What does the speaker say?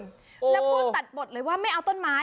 แล้วพูดตัดบทเลยว่าไม่เอาต้นไม้